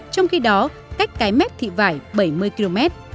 trong khi đó cách cái mép thị vải bảy mươi km